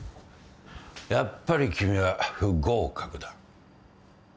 やっぱり君は不合格だ。